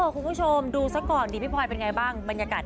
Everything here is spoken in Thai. คุณผู้ชมดูซะก่อนดีพี่พลอยเป็นไงบ้างบรรยากาศ